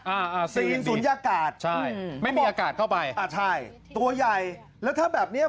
อ่าซีรีส์นี้ใช่ไม่มีอากาศเข้าไปตัวใหญ่แล้วถ้าแบบนี้